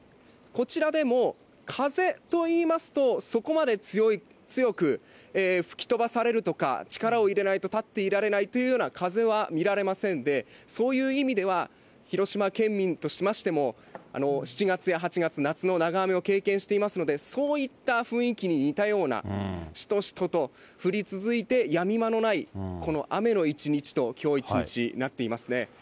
こちらでも、風といいますと、そこまで強く吹き飛ばされるとか、力を入れないと立っていられないようなというような風は見られませんで、そういう意味では、広島県民としましても、７月や８月、夏の長雨を経験していますので、そういった雰囲気に似たような、しとしとと降り続いて、やみ間のない、この雨の一日と、きょう一日、なっていますね。